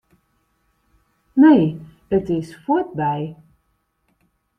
Nee, it is fuortby.